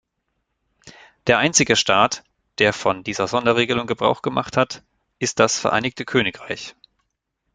Der einzige Staat, der von dieser Sonderregelung Gebrauch gemacht hat, ist das Vereinigte Königreich.